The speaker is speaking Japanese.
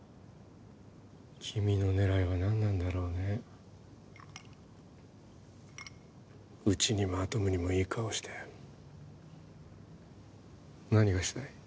君の狙いは何なんだろうねうちにもアトムにもいい顔をして何がしたい？